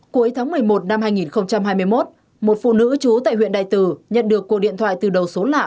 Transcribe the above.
cuối tháng một mươi một năm hai nghìn hai mươi một một phụ nữ trú tại huyện đại từ nhận được cuộc điện thoại từ đầu số lạ